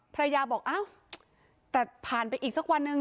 ภรรยาบอกอ้าวแต่ผ่านไปอีกสักวันหนึ่ง